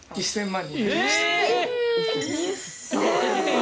１０００万。